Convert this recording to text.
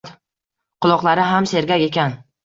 Quloqlari ham sergak ekan.